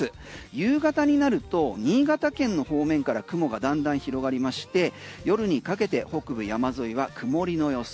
夕方になると新潟県の方面から雲がだんだん広がりまして夜にかけては北部山沿いは曇りの予想。